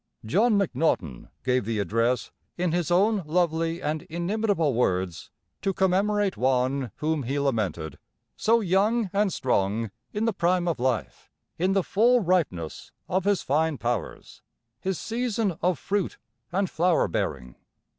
John Macnaughton gave the address in his own lovely and inimitable words, to commemorate one whom he lamented, "so young and strong, in the prime of life, in the full ripeness of his fine powers, his season of fruit and flower bearing.